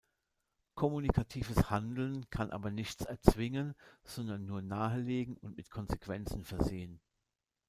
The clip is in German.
Kommunikatives Handeln kann aber nichts erzwingen, sondern nur nahelegen und mit Konsequenzen versehen.